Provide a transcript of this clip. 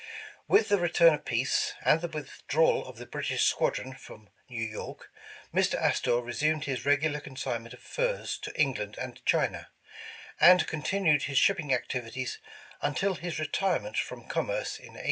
With the return of peace, and the withdrawal of the British squadron from New York, Mr. Astor resumed his regular consignment of furs to England and China, 232 War of 1812 and continued his shipping activities until his retire ment from commerce in 1827.